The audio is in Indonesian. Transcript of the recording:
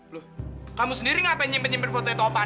loh kamu sendiri ngapain nyimpen nyimpen fotonya topan